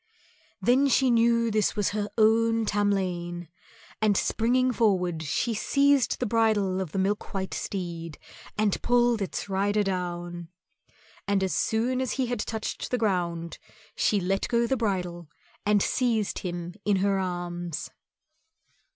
Then she knew this was her own Tamlane, and springing forward she seized the bridle of the milk white steed and pulled its rider down. And as soon as he had touched the ground she let go the bridle and seized him in her arms.